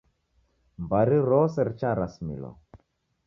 Mbari rose richarasimilwa